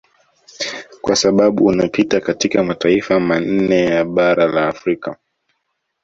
Kwa sababu unapita katika mataifa manne ya bara la Afrika